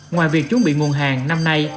ngoài việc chuẩn bị nguồn hàng năm nay